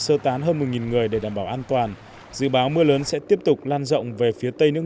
sơ tán hơn một người để đảm bảo an toàn dự báo mưa lớn sẽ tiếp tục lan rộng về phía tây nước